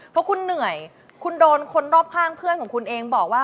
เพราะคุณเหนื่อยคุณโดนคนรอบข้างเพื่อนของคุณเองบอกว่า